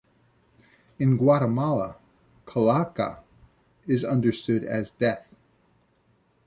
In Guatemala, "calaca" is understood as "death".